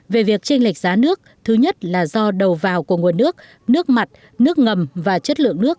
về việc tranh lệch giá nước thứ nhất là do đầu vào của nguồn nước nước mặt nước ngầm và chất lượng nước